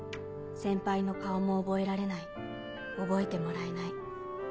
先輩の顔も覚えられない覚えてもらえない